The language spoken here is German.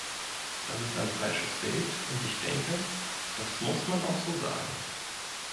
Das ist ein falsches Bild, und ich denke, dass muss man auch so sagen.